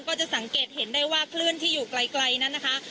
ก็จะสังเกตเห็นได้ว่าคลื่นที่อยู่ไกลนั้นนะคะ